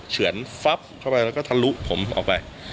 เฉือนฟับเข้าไปแล้วก็ทะลุผมออกไป